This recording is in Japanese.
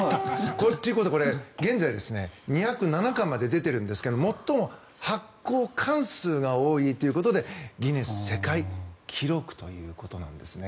現在、２０７巻まで出ているんですが最も発行巻数が多いということでギネス世界記録ということなんですね。